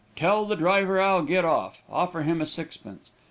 Tell the driver I'll get off. Offer him a sixpence.